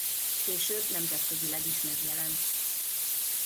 Később nemzetközileg is megjelent.